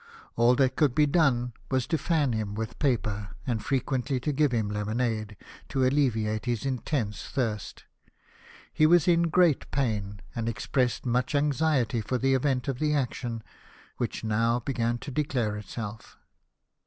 All that could be done was to fan him with paper, and frequently to give him lemonade, to alleviate his intense thirst. He was in great pain, and expressed much anxiety for the event of the action, which now began to declare itself.